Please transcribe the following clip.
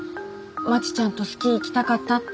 まちちゃんとスキー行きたかったって。